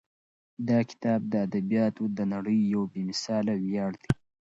دا کتاب د ادبیاتو د نړۍ یو بې مثاله ویاړ دی.